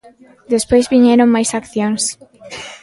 Despois viñeron máis accións.